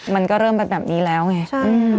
มันก็เริ่มแบบนี้แล้วไงใช่